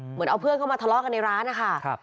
เหมือนเอาเพื่อนเข้ามาทะเลาะกันในร้านนะคะ